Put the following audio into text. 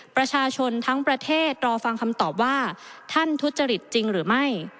ประชาชนทั้งประเทศรอฟังคำตอบว่าท่านทุจริตจริงหรือไม่